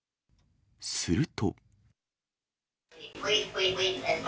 すると。